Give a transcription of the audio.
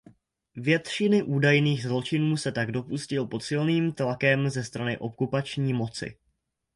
Většiny údajných „zločinů“ se tak dopustil pod silným tlakem ze strany okupační moci.